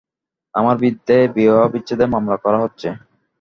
আমার বিরুদ্ধে বিবাহবিচ্ছেদের মামলা করা হচ্ছে।